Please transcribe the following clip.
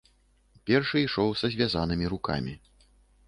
Першы ішоў са звязанымі рукамі.